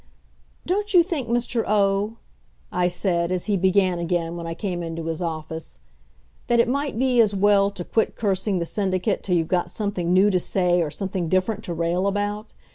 "Don't you think, Mr. O.," I said, as he began again when I came into his office, "that it might be as well to quit cursing the Syndicate till you've got something new to say or something different to rail about?